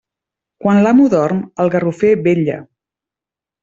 Quan l'amo dorm, el garrofer vetla.